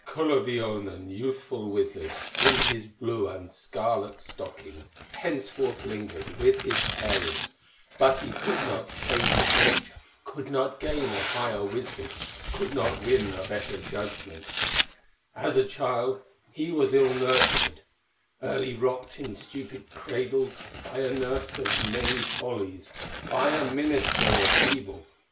Kullerwoinen, youthful wizard, In his blue and scarlet stockings, Henceforth lingered with his parents; But he could not change his nature, Could not gain a higher wisdom, Could not win a better judgment; As a child he was ill nurtured, Early rocked in stupid cradles, By a nurse of many follies, By a minister of evil.